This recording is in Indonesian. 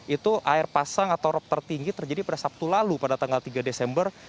itu air pasang atau rop tertinggi terjadi pada sabtu lalu pada tanggal tiga desember